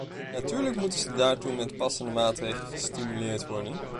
Natuurlijk moeten ze daartoe met passende maatregelen gestimuleerd worden.